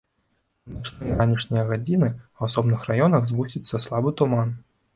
У начныя і ранішнія гадзіны ў асобных раёнах згусціцца слабы туман.